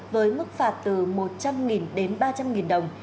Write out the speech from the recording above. với mức phạt từ một trăm linh đến ba trăm linh đồng